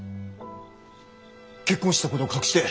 結婚してたことを隠して。